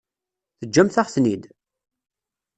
Teǧǧamt-aɣ-ten-id?